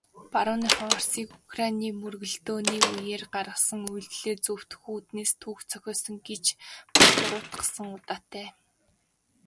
Барууныхан Оросыг Украины мөргөлдөөний үеэр гаргасан үйлдлээ зөвтгөх үүднээс түүх зохиосон гэж буруутгасан удаатай.